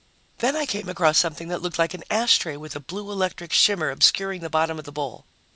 Then I came across something that looked like an ashtray with a blue electric shimmer obscuring the bottom of the bowl.